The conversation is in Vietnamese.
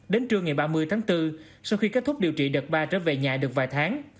đến trưa ngày ba mươi tháng bốn sau khi kết thúc điều trị đợt ba trở về nhà được vài tháng